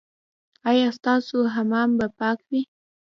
ایا ستاسو حمام به پاک وي؟